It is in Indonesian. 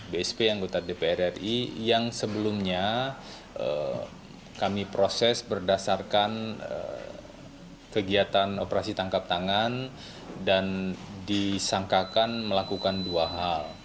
bsp anggota dpr ri yang sebelumnya kami proses berdasarkan kegiatan operasi tangkap tangan dan disangkakan melakukan dua hal